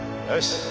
よし！